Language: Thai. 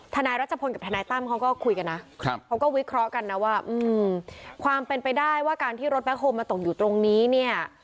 ธนายรัชพลกับธนายตั้มเขาก็คุยกันนะความเป็นไปได้ว่าการที่รถแบคโฮลมาตกอยู่ตรงนี้เนี่ย